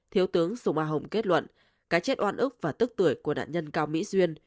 thiếu tướng sùng a hồng kết luận cái chết oan ức và tức tuổi của nạn nhân cao mỹ duyên